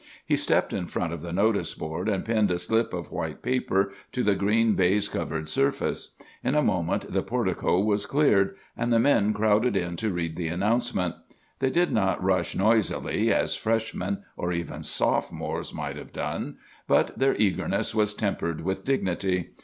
He stepped in front of the notice board, and pinned a slip of white paper to the green baize covered surface. In a moment the portico was cleared; and the men crowded in to read the announcement. They did not rush noisily, as Freshmen, or even Sophomores, might have done; but their eagerness was tempered with dignity.